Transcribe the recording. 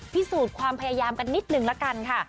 พิสูจน์ความพยายามกันนิดนึงละกันค่ะ